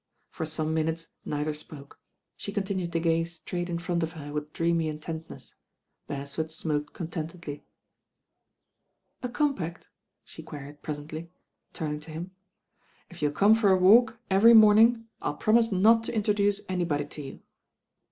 l*or some nainutes neither spoke; she continued to gaze straight in front of her with dreamy intentness. lieresford smoked contentedly. ^JA compact?" she queried presently, turning to "If you'll come for a walk every morning, I'll promise not to mtroduce anybody to you."